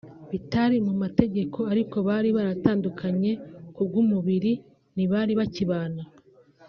bitari mu mategeko ariko bari baratandukanye kubw’umubiri ntibari bakibana